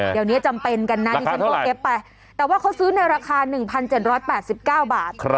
เดี๋ยวนี้จำเป็นกันนะราคาเท่าไหร่แต่ว่าเขาซื้อในราคา๑๗๘๙บาท